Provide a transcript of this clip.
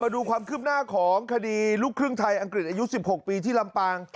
ดูความคืบหน้าของคดีลูกครึ่งไทยอังกฤษอายุ๑๖ปีที่ลำปาง